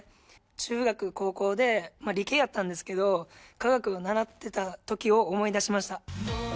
中学、高校で、理系やったんですけど、化学を習ってたときを思い出しました。